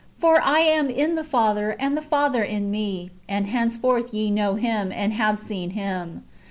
For I am in the Father, and the Father in me ; and henceforth ye know Him, and have seen Him."